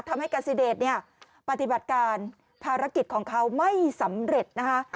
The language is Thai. ทำให้กาซิเดชเนี่ยปฏิบัติการภารกิจของเขาไม่สำเร็จนะคะ